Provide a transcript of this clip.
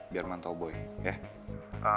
biar mantel boy ya